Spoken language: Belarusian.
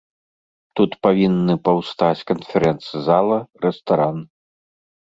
Тут павінны паўстаць канферэнц-зала, рэстаран.